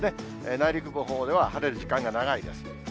内陸部のほうでは晴れる時間が長いです。